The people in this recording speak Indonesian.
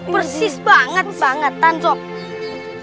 persis banget bangetan sob